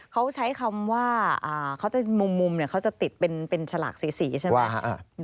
เขาใช้คำว่าเขาจะมุมเขาจะติดเป็นฉลากสีใช่ไหม